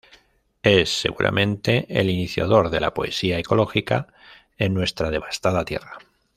Es, seguramente, el iniciador de la poesía ecológica en nuestra devastada tierra.